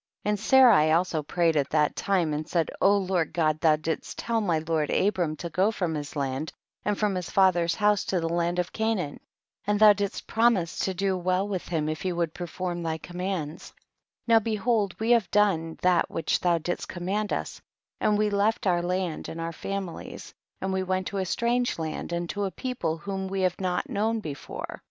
17. And Sarai also prayed at that time and said, O Lord God thou didst tell my Lord Abram to go from his land and from his father's house to the land of Canaan, and thou didst promise to do well with him if he would perform thy commands ; now behold we have done that which thou didst command us, and we left our land and our families, and we went to a strange land and to a people whom we have not known before.